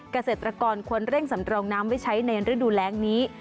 เกษตรกรควรเร่งสำรองน้ำไว้ใช้ในฤดูแรงนี้